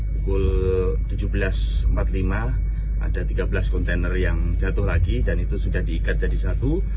pukul tujuh belas empat puluh lima ada tiga belas kontainer yang jatuh lagi dan itu sudah diikat jadi satu